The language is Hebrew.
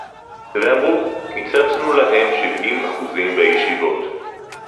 ואמרו: קיצצנו להם שבעים אחוזים בישיבות